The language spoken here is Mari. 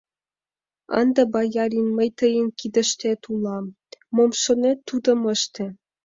Ынде, боярин, мый тыйын кидыштет улам: мом шонет, тудым ыште.